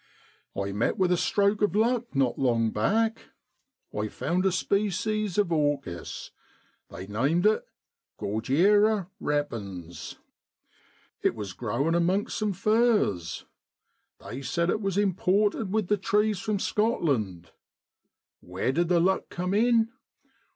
I met with a stroke of luck not long back, I found a species of orchis, they named it Gordyera repens. It was growing amongst some firs ; they said it was imported with the trees from Scotland. Where did the luck come in